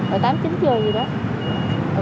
hồi tám chín trời rồi đó